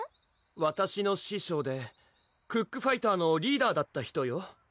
わたしの師匠でクックファイターのリーダーだった人よ